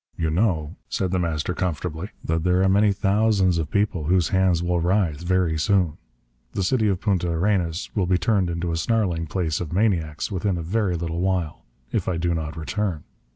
"You know," said The Master comfortably, "that there are many thousands of people whose hands will writhe, very soon. The city of Punta Arenas will be turned into a snarling place of maniacs within a very little while if I do not return.